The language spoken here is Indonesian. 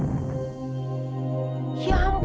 yang sangat mencintai kamu